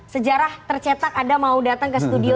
sejarah tercetak anda mau datang ke studio